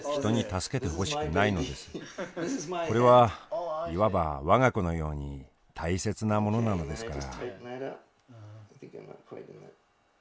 これはいわば我が子のように大切なものなのですから。